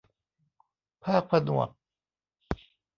ภาคผนวก